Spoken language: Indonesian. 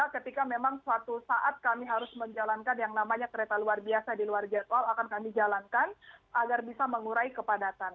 ketika memang suatu saat kami harus menjalankan yang namanya kereta luar biasa di luar jadwal akan kami jalankan agar bisa mengurai kepadatan